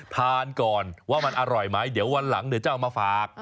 ทานก่อนว่ามันอร่อยไหมเดี๋ยววันหลังเดี๋ยวจะเอามาฝาก